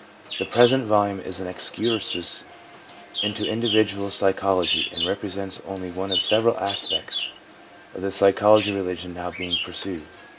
The present volume is an excursus into individual psychology, and represents only one of several aspects of the psychology of religion now being pursued.